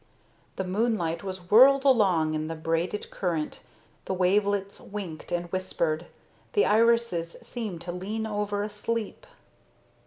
The moonlight was whirled along in the braided current, the wavelets winked and whispered, the irises seemed to lean over asleep.